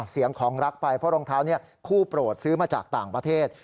เสียงของรักไปเพราะรองเท้านี้คู่โปรดซื้อมาจากต่างประเทศ